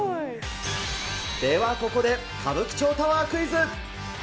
ではここで、歌舞伎町タワークイズ。